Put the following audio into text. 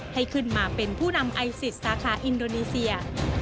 ให้ขึ้นมาเป็นผู้นำไอซิสสาขาอินโดนีเซีย